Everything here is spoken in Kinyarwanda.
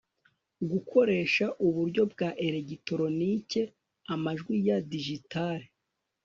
gukoresha uburyo bwa elegitoronike amajwi ya digitale